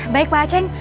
baik pak ceng